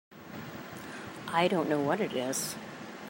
I don't know what it is.